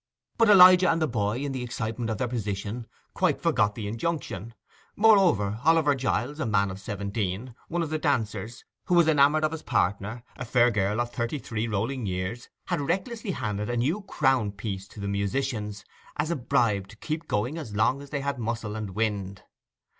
But Elijah and the boy, in the excitement of their position, quite forgot the injunction. Moreover, Oliver Giles, a man of seventeen, one of the dancers, who was enamoured of his partner, a fair girl of thirty three rolling years, had recklessly handed a new crown piece to the musicians, as a bribe to keep going as long as they had muscle and wind.